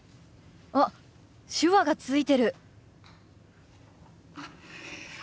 あっ手話がついてる！